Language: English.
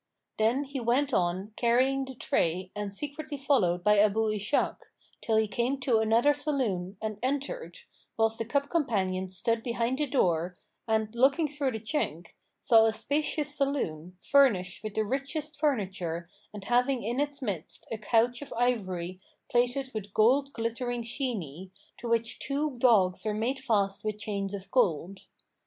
Then he went on, carrying the tray and secretly followed by Abu Ishak, till he came to another saloon and entered, whilst the cup companion stood behind the door and, looking through the chink, saw a spacious saloon, furnished with the richest furniture and having in its midst a couch of ivory plated with gold glittering sheeny, to which two dogs were made fast with chains of gold.